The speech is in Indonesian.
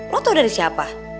lo tau dari siapa